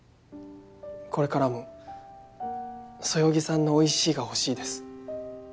これからもそよぎさんの「おいしい」が欲しいです。